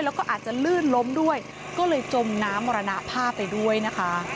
แล้วก็อาจจะลื่นล้มด้วยก็เลยจมน้ำมรณภาพไปด้วยนะคะ